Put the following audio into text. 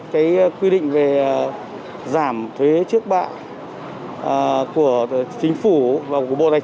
cái quy định về giảm thuế trước bạ của chính phủ và của bộ đại sứ